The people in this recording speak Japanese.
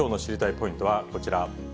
ポイントはこちら。